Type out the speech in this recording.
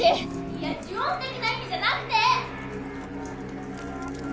いや『呪怨』的な意味じゃなくて！